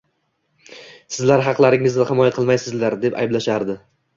“sizlar haqlaringizni himoya qilmaysizlar!” deb ayblashardi.